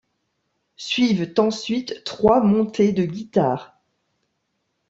Suivent ensuite trois montées de guitare.